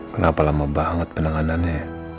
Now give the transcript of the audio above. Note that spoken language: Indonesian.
kenapa lama banget penanganannya